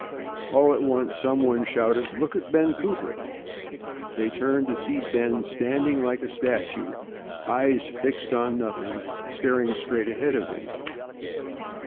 All at once some one shouted: "Look at Ben Cooper." They turned to see Ben standing like a statue, eyes fixed on nothing, staring straight ahead of him.